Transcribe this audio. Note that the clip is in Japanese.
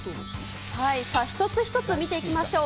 一つ一つ見ていきましょう。